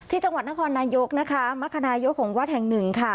จังหวัดนครนายกนะคะมรคนายกของวัดแห่งหนึ่งค่ะ